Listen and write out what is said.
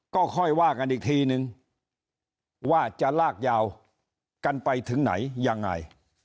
ก็ค่อยว่ากันอีกทีนึงว่าจะลากยาวกันไปถึงไหนยังไง